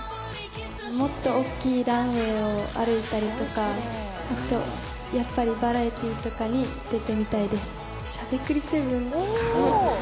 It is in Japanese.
もっと大きいランウェイを歩いたりとか、あと、やっぱりバラエティーとかに出てみたいです。